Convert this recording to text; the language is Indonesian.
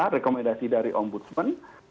rekomendasi dari ombudsman